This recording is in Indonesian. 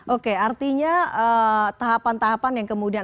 oke artinya tahapan tahapan yang kemudian